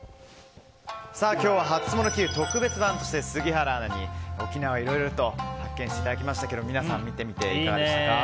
今日はハツモノＱ特別版として杉原アナに沖縄をいろいろ発見していただきましたが皆さん、見てみていかがでしたか。